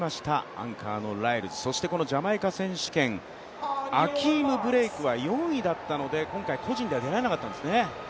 アンカーのライルズそしてジャマイカ選手権、アキーム・ブレイクは４位だったので、今回個人では出られなかったんですね。